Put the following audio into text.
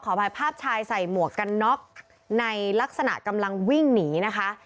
อภัยภาพชายใส่หมวกกันน็อกในลักษณะกำลังวิ่งหนีนะคะ